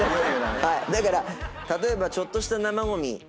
だから例えばちょっとした生ごみ。